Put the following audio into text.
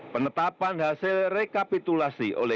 penetapan hasil rekapitulasi